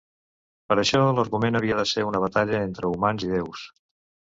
Per això, l'argument havia de ser una batalla entre humans i déus.